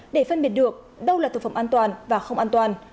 để phân biệt được đâu là thực phẩm an toàn và không an toàn